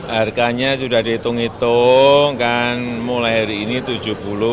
harganya sudah dihitung hitung kan mulai hari ini rp tujuh puluh